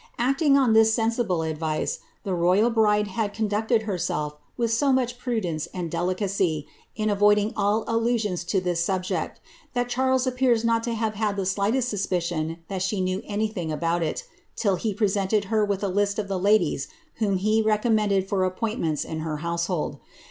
Acting on this sensible advice, the royal bride had conducted her self with so much prudence and delicacy, in avoiding all allusions to this subject, that Charles ap))ears not to have had the slightest suspicion that she knew anything about it, till he presented her with a list of the ladies whom he recommended for appointments in her household.